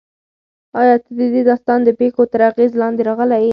ایا ته د دې داستان د پېښو تر اغېز لاندې راغلی یې؟